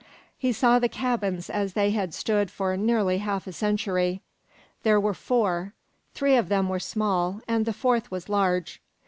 He saw the cabins as they had stood for nearly half a century. There were four. Three of them were small, and the fourth was large.